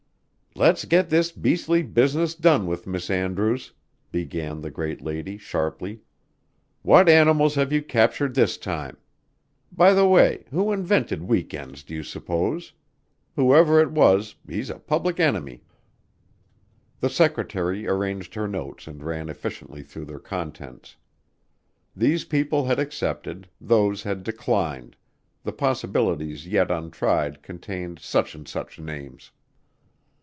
"Let's get this beastly business done with, Miss Andrews," began the great lady sharply. "What animals have you captured this time? By the way, who invented week ends, do you suppose? Whoever it was, he's a public enemy." The secretary arranged her notes and ran efficiently through their contents. These people had accepted, those had declined; the possibilities yet untried contained such and such names.